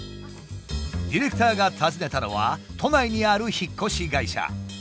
ディレクターが訪ねたのは都内にある引っ越し会社。